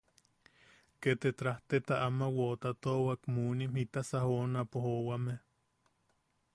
Ke te trajteta ama woʼotatuawak, munim, jitasa joonapo joʼowame.